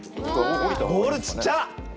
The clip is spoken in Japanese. ボールちっちゃ！